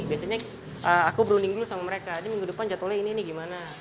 biasanya aku berunding dulu sama mereka ini minggu depan jatuhnya ini nih gimana